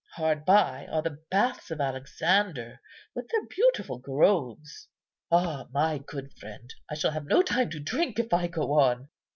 Hard by are the baths of Alexander, with their beautiful groves. Ah! my good friend! I shall have no time to drink if I go on.